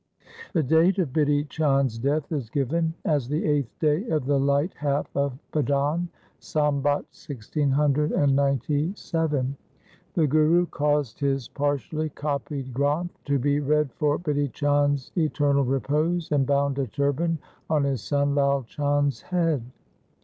The date of Bidhi Chand's death is given as the eighth day of the light half of Bhadon, Sambat 1697. The Guru caused his partially copied Granth to be read for Bidhi Chand's eternal repose, and bound a turban on his son Lai Chand's head.